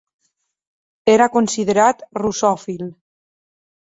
Era considerat russòfil.